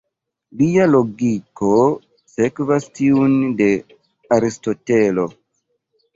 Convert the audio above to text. Lia logiko sekvas tiun de Aristotelo.